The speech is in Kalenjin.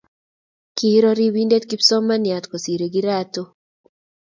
Kiiro ribinde kipsomananiat kosirei kirato